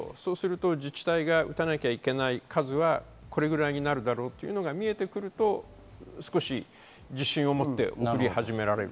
自治体の打たなきゃいけない数はこれくらいになるだろうというのが見えてくると少し自信を持って送り始められる。